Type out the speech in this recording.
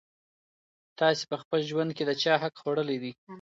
تاسي په خپل ژوند کي د چا حق خوړلی دی؟